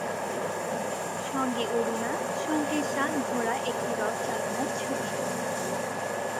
সঙ্গে অরুণা সঙ্গে, সাত ঘোড়া একটি রথ চালনার ছবি।